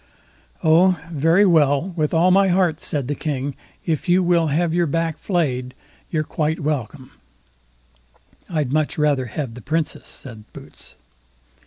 "Oh, very well; with all my heart", said the King, "if you will have your back flayed, you're quite welcome." "I'd much rather have the Princess", said Boots.